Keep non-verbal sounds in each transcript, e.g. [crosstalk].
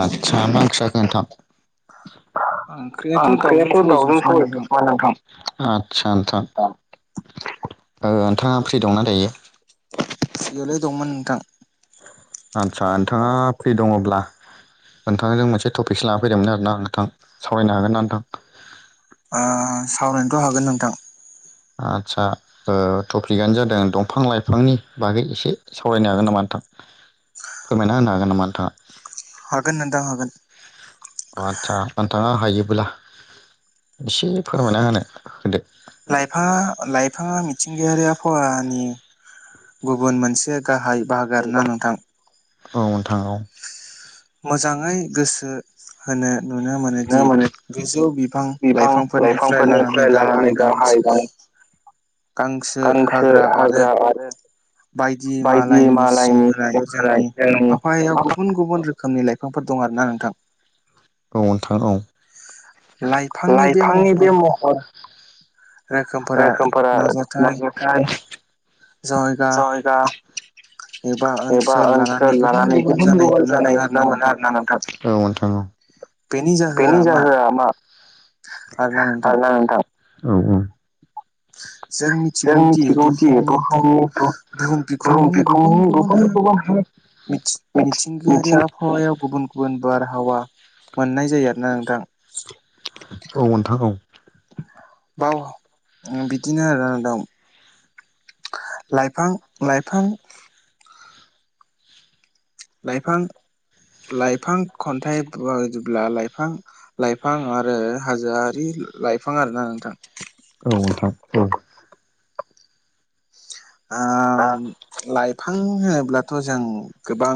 आदसा मा ओंख्रि जाखो नोंथां? आदसा नोंथां। [unintelligible] दंमोन नोंथां। आदसा नोंथाङा फ्रि दङब्ला नोंथांजों मोनसे टपिकसो लाना फैदोंमोन आरोना नोंथां सावरायनो हागोन ना नोंथां? सावरायनोथ' हागोन नोंथां। आदसा ओ टपिकआनो जादों दंफां लाइफांनि बागै एसे सावरायनो हागोन नामा नोंथां फोरमायना होनो हागोन नामा नोंथाङा आदसा नोंथाङा हायोब्ला एसे फोरमायना होनो होदो। लाइफाङा, लाइफाङा मिथिंगायारि आबहावानि गुबुन मोनसे गाहाय बाहागो आरोना नोंथां। औ नोंथां औ। मोजाङै गोसो होनो नुनो मोनोदि गोजौ बिफां लाइफांफोरनिफ्राय लानानै गाहाय बांसि गांसो हाग्रा आरो बायदि मालायनिसिम होनाय जोंनि आफायाव गुबुन गुबुन रोखोम बिफांफोर दं आरोना नोंथां। औ नोंथां औ। लाइफांनि बे महर औ नोंथां औ। औ औ। जों मिथिगौदि बुहुमनि बु-बुहुम बिखुंनि गुबुन गुबुन हा मिथिंगायारि आबहावायाव गुबुन गुबुन बारहावा मोननाय जायो आरोना नोंथां। बाव उम बिदिनो आरोना नोंदां। लाइफां लाइफां लाइफां लाइफां खन्थाइ बायदिब्ला लाइफां लाइफां आरो हाजोआरि लाइफां आरोना नोंथां। आं लाइफां होनोब्लाथ' जों गोबां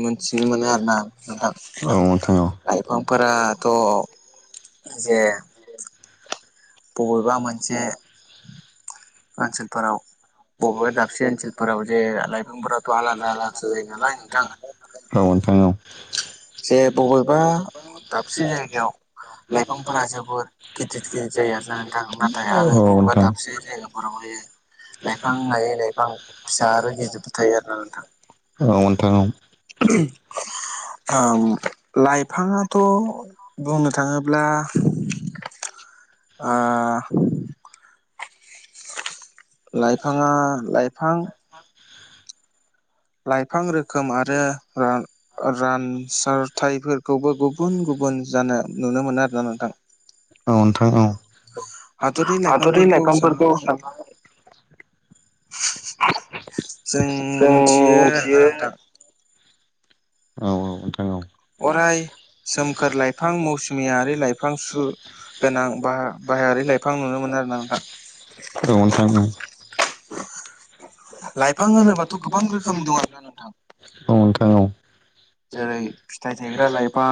मोनथिनो मोनो आरोना नोंथां लाइफांफोराथ'। जे बबेबा मोनसे ओनसोलफोराव बबेबा दाबसे ओनसोलफोराव जे लाइमोनांफोराथ' आलादा औ नोंथां औ औ नोंथां [unintelligible] औ नोंथां औ औ उम फाङाथ' बुंनो थाङोब्ला ओ लाइफाङा लाइफां लाइफां रोखोम आरो रान रानसारथाइफोरखौबो गुबुन गुबुन जानो नुनो मोनो। ना नोंथां औ नोथां औ जों मिथियो आ नोंथां औ औ अराय सोमखोर लाइफां मौसुमियारि लाइफां सुगोनां बाहाय बाहायारि लाइफां नुनो मोनो आरो नोंथां लाइफां होनोबाथ' गोबां रोखोम दं आरो ना नोंथां औ जेरै फिथाइ थायग्रा लाइफां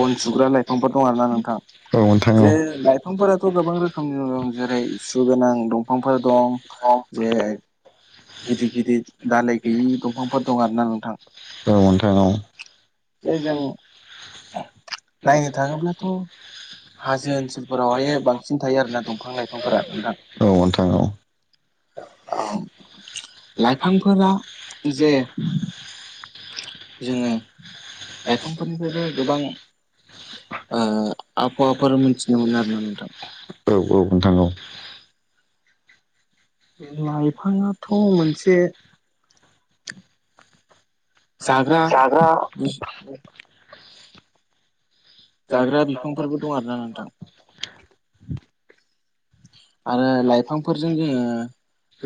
बन सुग्रा लाइफांफोर दं आर ना नोंथां जे लाइफांफोराथ' गोबां रोखोमनि जेरै सुगोनां दंफांफोर अ [unintelligible] [unintelligible] औ [unintelligible] लाइफांफोरा जे औ औ नोंथां औ लाइफाङाथ' मोनसे जाग्रा जाग्रा जाग्रा बिफांफोरबो दं आरोना नोंथां आरो लाइफांफोरजों जोङो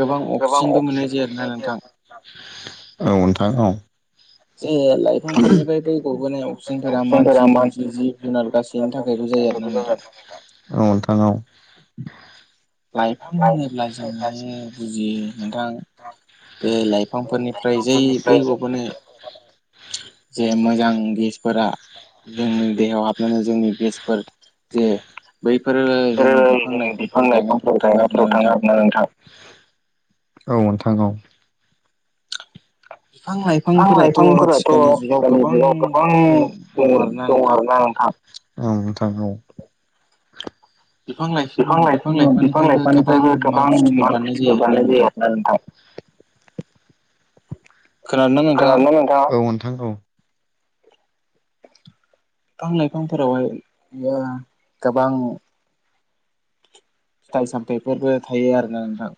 गोबां अक्सिजेनबो मोननाय जायो आरोना नोंथां औ नोंथां औ ए [unintelligible] मोनायाव साबसिनफोरा मानसि दोमसि जिब जुनार गासि लथाङआव [unintelligible] लाइफां होनोब्ला जोंहाय बुजियो नोंथां जे लाइफांफोरनिफ्राय जै बै गबोनाय जे मोजां गेसफोरा जोंनि देहायाव हाबनानै जोंनि गेसफोर जे बैफोरो जोंनि बि बिफां लाइफां गायनायफोराव थाङनो हा नोंथां औ [unintelligible] थाङाव [unintelligible] बिफां लाइफांफोराथ' आथिखालनि जुगाव गोबां दं आरोना नोंथां [unintelligible] औ नोंथां औ बिफां लायफ बिफां ला बिफां लाइफांनिफ्रायबो गोबां मार बुस्थुफोर दाननाय जायो आरोा नोंथां [unintelligible] खोन नोंथाङ औ नोंथांखौ [unintelligible] फां लाइफांफोरावहाय यो गोबां फिथाइ सामथायाइफोरबो थायो आरोना नोंथां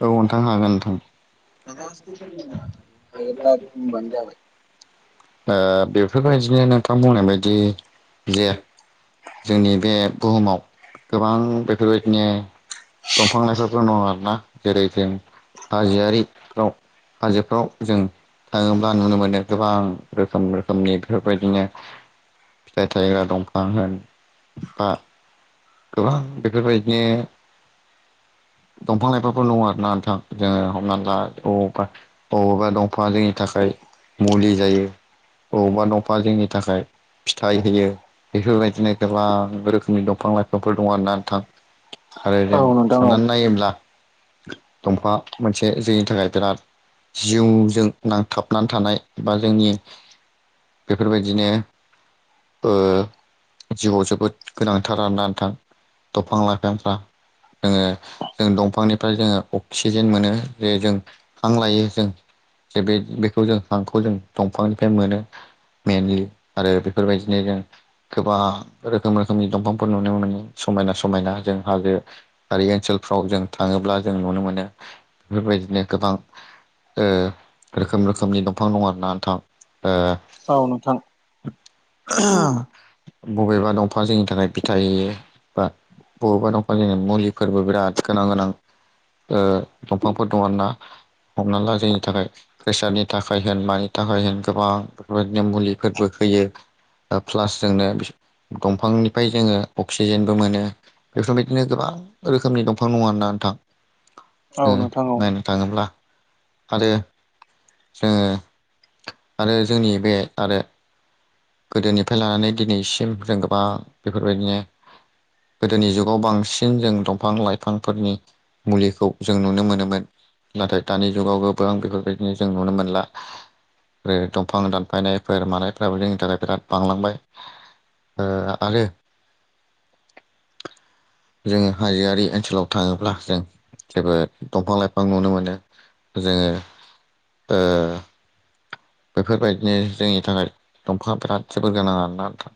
औ नोंथां हागोन नोंथां दा बे [unintelligible] बेफोरबायदिनो नोंथां बुंनाय बायदि बिदि जोंनि बे बुहुमाव गोबां बेफोरबायदिनो दंफां लाइफोर दङ आरोना जेरै जों हाजोआरि फ्राव हाजोफ्राव जों थाङोब्ला नुनो मोनो गोबां रोखोम रोम खोमनि बेफोरबायदिनो फिथाइ थायग्रा दंफां होन बा गोबां बेफोरबायदि दंफां लाइफांफोर दङ आरोना नोंथां जोङो हमना ला अबावबा अबावबा दंफाङा जोंनि थाखाय मुलि जायो अबावबा दंफाङा जोंनि थाखाय फिथाइ होयो बेफोरबायदिनो गोबां रोखोमनि दंफां लाइफां नफोर दं आर ना नोंथां आरो जों साननानै नायोब्ला दंफाङा मोनसे जोंनि थाखाय बिराद जिउजों नांथाबनानै थानाय बा जोंनि बेफोरबायदिनो ओ जिउआव जोबोद गोनांथार आरोना थां दंफां लाइफांफ्रा जोङो जों दंफांनिफ्राय जोङो अक्सिजेन मोनो जे जों हां लायो जों जे बे बेखौ जों हांखौ जों दंफांनिफ्राय मोनो। मेनलि आरो बेफोरबायदिनो जों गोबां रोखोम रोखोमनि दंफांफोर नुनो मोनो। समायना समायना जों हाजो आरि ओनसोलफ्राव जों थाङोब्ला जों नुनो मोनो बेफोरबायदिनो गोबां ओ रोखोम रोखोमनि दंफां दं आरोना नोंथां। औ नोंथां [inaudible] बबेबा दंफां जोंनि थाखाय [unintelligible] होयो बा बबेबा दंफांनि मुलिफोरबो बिराद गोनां गोनां ओ दंफांफोर दं आरोना हमना ला जोंनि थाखाय प्रेसारनि थाखाय होन मानि थाखाय होन गोबां बेफोरबायदिनो मुलिफोरबो होयो ओ प्लास जोंनो दंफांनिफ्राय जोङो अक्सि जेनबो मोनो बेफोरबायदिनो गोबां रोखोमनि दंफां दं आरो ना नोंथां। ओ नायनो थाङोब्ला। आरो, जोङो, आरो जोंनि बे आरो, गोदोनिफ्राय लानानै दिनैसिम जों गोबां बेफोरबायदिनो गोदोनि जुगाव बांसिन जों दंफां लाइफांफोरनि मुलिखौ जों नुनो मोनोमोन नाथाय दानि जुगाव गोबां बेफोरबायदिनो जों नुनो मोनला। आरो दंफां दानफायनायफोर मानायफ्राबो जोंनि थाखाय बिराद बांलांबाय। ओ आरो [inaudible] जोङो हाजोआरि ओनसोलाव थाङोब्ला जों जोबोत दंफां लाइफां नुनो मोनो। जोङो ओ बेफोरबायदिनो जोंनि थाखाय दंफाङा बिराद जोबोर गोनां आरोना नोंथां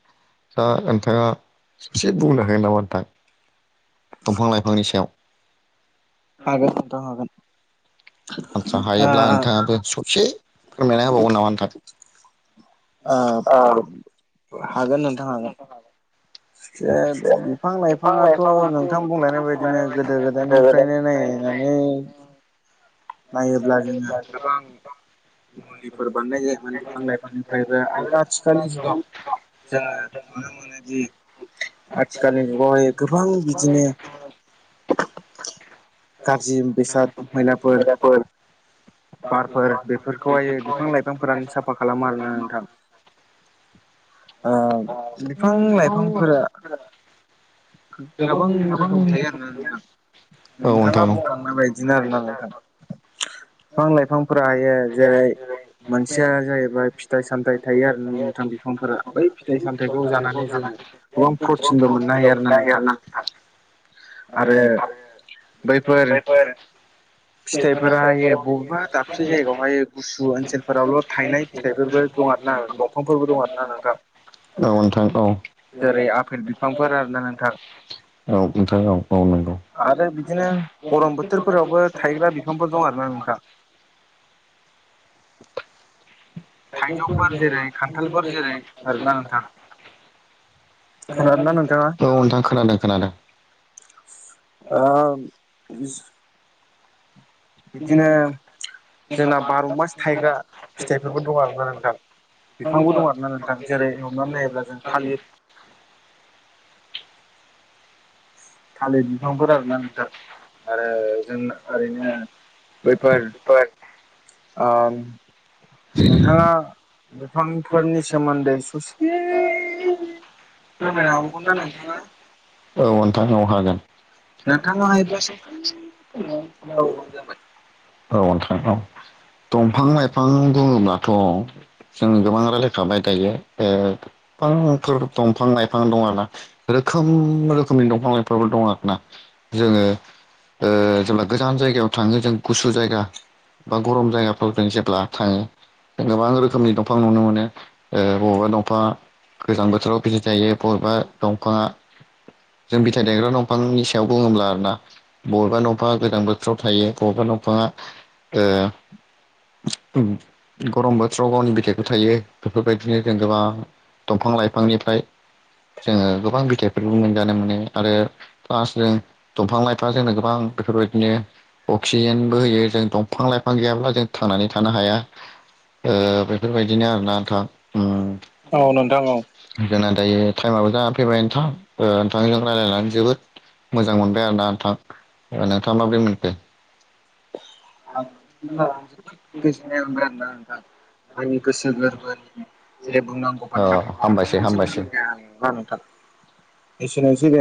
दा नोंथाङा इसे बुंनो हागोन नामा नोंथां? दंफां लाइफांनि सायाव। हागोन नोंथां हागोन। आतसा हायोब्ला नोंथाङाबो सबसे फोरमायना होबावगोन नामा नोंथां। ओ [inaudible] हागोन नोंथां हागोन बिफां लाइफाङाथ' नोंथां बुंलायनाय बायदिनो गोदो गोदायनिफ्रायनो नायनानै नायोब्ला जोङो गोबां मुलिफोर बानायनाय जायोमोन बिफां लाइफांनिफ्रायबो आरो आथिखालनि जुगाव जोङो नुनो मोनोदि आथिखालनि जुगावहाय गोबां बिदिनो [inaudible] गाज्रि बेसाद मैलाफोर बारफोर बेफोरखौहाय बिफां लाइफांफोरानो साफा खालामो आरोना नोंथां। [inaudible] ओ बिफां लाइफांफोरा [inaudible] गोबां रोखोम थायो आरोना नोंथां। नोंथाङा बुंलांनाय बायदिनो आरोना नोंथां। बिफां लाइफांफोरा हायो जेरै मोनसेया जाहैबाय फिथाइ सामथाइ थायो आरो नोंथां बिफांफोरा बै फिथाइ सामथायइखौ जानानै जोङो गोबां प्रटिनबो मोननो हायो आरो ना नोंथां। आरो बैफोर फिथाइफोरा हायो बबेबा दाबसे जायगायावहाय गुसु ओनसोलफोरावल' थायनाय फिथाइफोरबो दं आरो ना दंफांफोरबो दं आरो ना नोंथां। [inaudible] जेरै आफेल बिफांफोर आरो ना नोंथां। [inaudible] आरो बिदिनो गरम बोथोरफोरावबो थायग्रा बिफांफोर दंआरो ना नोंथां। [inaudible] औ नोंथां खोनादों खोनादों। बिस बिदिनो, जोंना बार' मास थायग्रा फिथाइफोरबो दं आरोना नोंथां बिफांबो दं आरोना नोंथां जेरै हमनानै नायोब्ला जों थालिर [inaudible] थालिर बिफांफोर आरोना नोंथां आरो जों ओरैनो बैफोर ओम नोंथाङा [unintelligible] औ थां औ हागोन। [unintelligible] औ नोंथां औ। दंफां लाइफां बुङोब्लाथ' जों गोबां रायलायखाबाय दायो ओ फांफोर दंफां-लाइफां दं आरोना रोखोम रोखोमनि दं मावनायफ्राबो दङ आरोना। जोङो ओ जेब्ला गोजान जायगायाव थाङो जों गुसु जायगा बा गरम जायगाफ्राव जों जेब्ला थाङो गोबां रोखोम खोमनि दंफां नुनो मोनो ओ बबेबा दंफाङा गोजां बोथोराव फिथाइ थायो बबेबा दंफाङा जों फिथाइ दायग्रा दंफांनि सायाव बुङोब्ला आरोना बबेबा दंफाङा गोजां बोथोराव थायो बबेबा दंफाङा ओ गरम बो [unintelligible] नि बिथाइखौ थायो बेफोरबायदिनो जों गोबां दंफां लाइफांनिफ्राय जोङो गोबां बिथायफोरबो मोनजानो मोनो आरो पास जों दंफां लाइफां जोंनो गोबां बेफोरबायदिनो अक्सिजेनबो होयो। जों दंफां लाइफां गैयाब्ला जों थांनानै थानो हाया ओ बेफोरबायदिनो आरोना नोंथां। उम औ नोंथां औ दायो टाइमाबो जा फैबाय नोंथां। नोंथांजों रायजलायनानै जोबोद मोजां मोनबाय आरो ना नोंथां। नोंथाङा माबोरै मोनखो? होमबा जोबोद गोजोन्नाय मोनबाय आरो ना नोंथां। आंनि गोसो-गोर्बोनि जे बुंनांगौ बाथ्राफोरखौ आं नोंथांनिसिम फोरमायना [unintelligible] आं नोंथां [unintelligible]